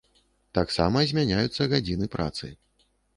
Таксама змяняюцца гадзіны працы.